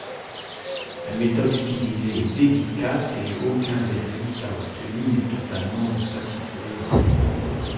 La méthode utilisée est délicate et aucun des résultats obtenus n'est totalement satisfaisant.